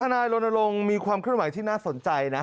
อาณาโลนโลงมีความคิดหมายที่น่าสนใจนะ